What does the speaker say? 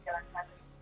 jadi itu juga penting